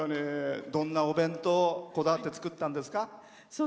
どんなお弁当こだわって作ったんですか？